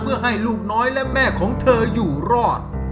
เพื่อให้ลูกน้อยและแม่ของเธออยู่รอด